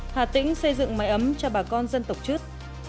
hà tĩnh xây dựng máy ấm cho bà con dân tộc chứt